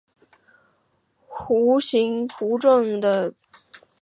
弧状结构可以归因于板块的刚性和岛弧的尖端与下沉岩石圈的裂缝有密切关系。